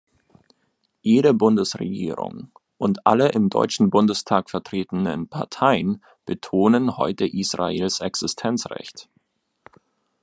Jede Bundesregierung und alle im Deutschen Bundestag vertretenen Parteien betonen heute Israels Existenzrecht.